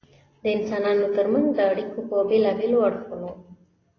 د انسانانو تر منځ د اړیکو په بېلابېلو اړخونو.